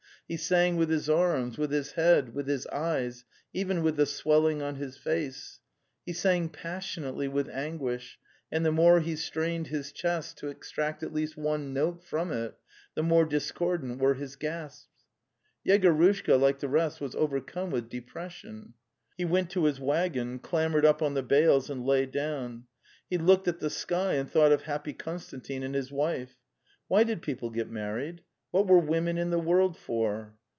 He sang with his arms, with his head, with his eyes, even with the swelling on his face; he sang passionately with anguish, and the more he strained his chest to extract at least one note from it, the more discordant were his gasps. Yegorushka, like the rest, was overcome with de pression. He went to his waggon, clambered up on the bales and lay down. He looked at the sky, and thought of happy Konstantin and his wife. Why did people get married? What were women in the world for?